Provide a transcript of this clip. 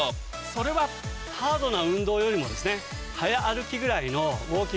それはハードな運動よりも。